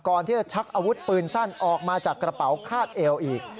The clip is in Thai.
ที่จะชักอาวุธปืนสั้นออกมาจากกระเป๋าคาดเอวอีก